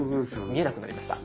見えなくなりました。